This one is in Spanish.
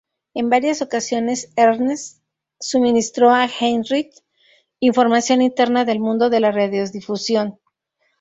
En varias ocasiones, Ernst suministró a Heinrich información interna del mundo de la radiodifusión.